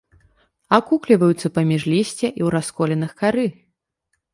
Акукліваюцца паміж лісця і ў расколінах кары.